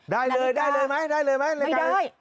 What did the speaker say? ได้เลยได้เลยไหมได้เลยไหมรายการ